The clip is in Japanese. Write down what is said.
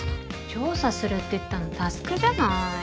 調査するって言ったの匡じゃない。